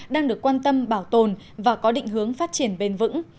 đang được quan tâm bảo tồn và có định hướng phát triển bền vững